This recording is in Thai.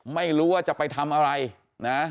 ไม่รู้ว่าจะไปทำอะไรนะ